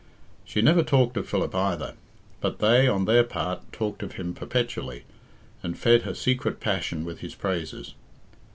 She never talked of Philip either, but they, on their part, talked of him perpetually, and fed her secret passion with his praises.